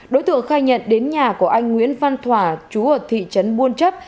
đối tượng khai nhận đến nhà của anh nguyễn văn thỏa chú ở thị trấn buôn chấp